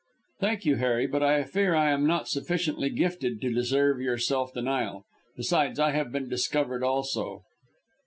"Thank you, Harry, but I fear I am not sufficiently gifted to deserve your self denial. Besides, I have been discovered also."